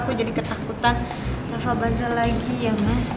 aku jadi ketakutan raifah badal lagi ya mas